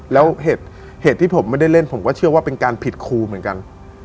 แล้วเหตุที่ผมไม่ได้เล่นผมก็เชื่อว่าเป็นการผิดครูเหมือนกัน